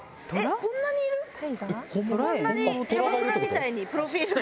こんなに。にプロフィルが。